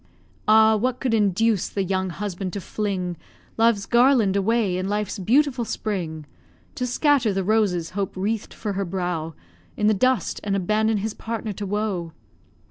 Ah! what could induce the young husband to fling Love's garland away in life's beautiful spring, To scatter the roses Hope wreath'd for her brow In the dust, and abandon his partner to woe?